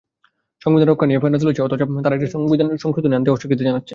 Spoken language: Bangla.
সংবিধান রক্ষা নিয়ে ফেনা তুলছে অথচ তারা একটি সংশোধনী আনতে অস্বীকৃতি জানাচ্ছে।